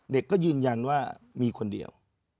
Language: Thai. เด็กก็ยืนยันว่ามีคนเดียว